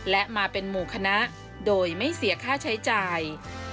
และมาเป็นหมู่คณะโดยไม่เสียค่าใช้จ่าย